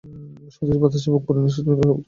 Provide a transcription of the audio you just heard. সতেজ বাতাসে বুক ভরে নিঃশ্বাস নিলেই সব ঠিক হয়ে যাবে।